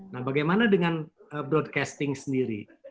nah bagaimana dengan broadcasting sendiri